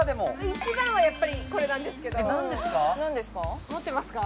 一番はやっぱりこれなんですけど持ってますか？